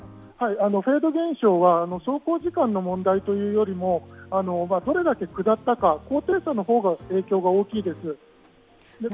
フェード現象は走行時間の問題というよりもどれだけ下ったか高低差の方が影響が大きいです。